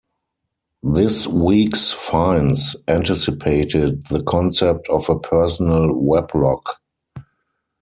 "This Week's Finds" anticipated the concept of a personal weblog.